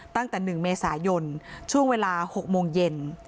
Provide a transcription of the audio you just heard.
ตั้งแต่๑เมษายนช่วงเวลา๖โมงเย็น